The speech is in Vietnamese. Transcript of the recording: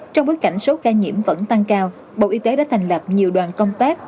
trong bối cảnh số ca nhiễm vẫn tăng cao bộ y tế đã thành lập nhiều đoàn công tác